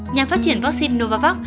nhà phát triển vaccine novavax